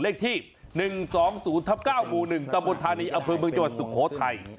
เลขที่๑๒๐๙๐๑ตะบุธานีอบจสุโขทัย